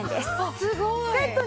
すごい。